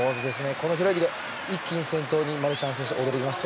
この平泳ぎで一気に先頭にマルシャン選手躍り出ます。